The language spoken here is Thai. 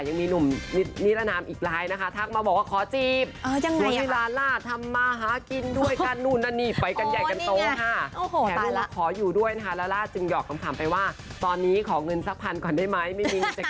ยังไม่พอยังมีนัยล้านนามอีก